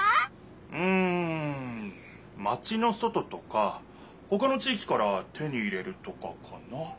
うんマチの外とかほかの地いきから手に入れるとかかな？